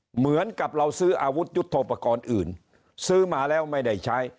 เหมือนกับเราซื้ออาวุธยุทธโปรกรณ์อื่นซื้อมาแล้วไม่ได้ใช้